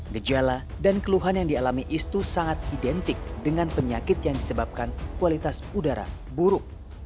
gejala dan keluhan yang dialami istu sangat identik dengan penyakit yang disebabkan kualitas udara buruk